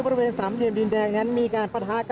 บริเวณสามเหลี่ยมดินแดงนั้นมีการปะทะกัน